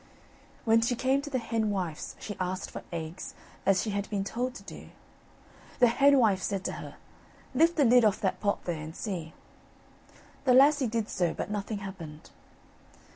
When she came to the henwife's she asked for eggs, as she had been told to do; the henwife said to her, "Lift the lid off that pot there and see." The lassie did so, but nothing happened.